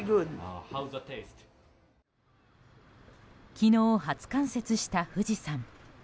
昨日、初冠雪した富士山。